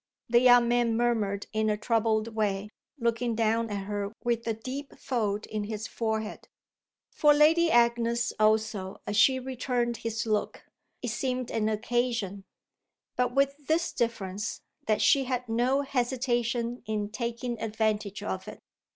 the young man murmured in a troubled way, looking down at her with a deep fold in his forehead. For Lady Agnes also, as she returned his look, it seemed an occasion; but with this difference that she had no hesitation in taking advantage of it.